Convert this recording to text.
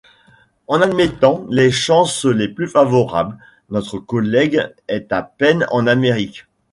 En admettant les chances les plus favorables, notre collègue est à peine en Amérique!